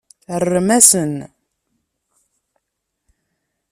Rrem-asen.